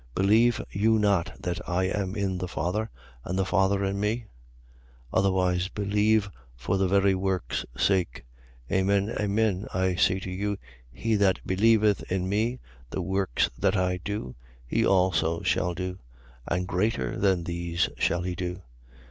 14:11. Believe you not that I am in the Father and the Father in me? 14:12. Otherwise believe for the very works' sake. Amen, amen, I say to you, he that believeth in me, the works that I do, he also shall do: and greater than these shall he do.